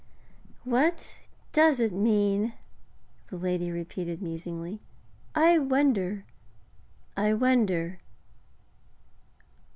'What does it mean?' the lady repeated musingly. 'I wonder, I wonder.'